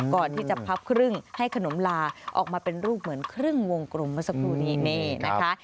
ก่อนที่จะพับครึ่งให้ขนมลาออกมาเป็นรูปเหมือนครึ่งวงกลมเมื่อสักครู่นี้นี่นะคะ